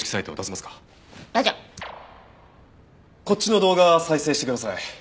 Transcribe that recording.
こっちの動画再生してください。